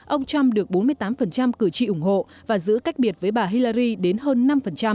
ông trump được bốn mươi tám cử tri ủng hộ và giữ cách biệt với bà hillari đến hơn năm